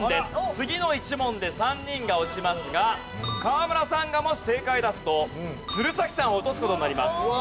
次の１問で３人が落ちますが河村さんがもし正解を出すと鶴崎さんを落とす事になります。